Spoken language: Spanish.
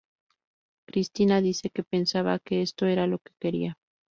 Cristina dice que "pensaba que esto era lo que quería".